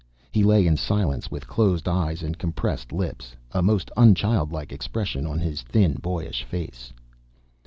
He lay in silence with closed eyes and compressed lips, a most unchildlike expression on his thin boyish face.